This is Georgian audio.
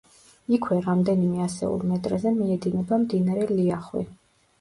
იქვე, რამდენიმე ასეულ მეტრზე მიედინება მდინარე ლიახვი.